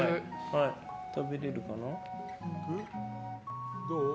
食べられるかな。